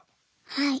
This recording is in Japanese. はい。